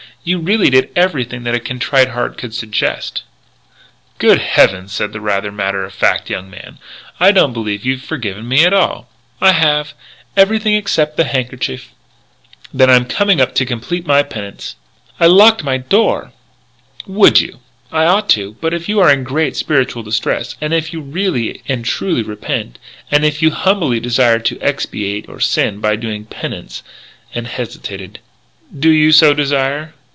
You really did everything that a contrite heart could suggest " "Good heavens!" said that rather matter of fact young man, "I don't believe you have forgiven me after all." "I have everything except the handkerchief " "Then I'm coming up to complete my penance " "I'll lock my door!" "Would you?" "I ought to.... But if you are in great spiritual distress, and if you really and truly repent, and if you humbly desire to expiate your sin by doing penance " And hesitated: "Do you so desire?"